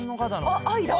あっ愛だ。